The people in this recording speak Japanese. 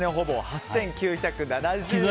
８９７０円。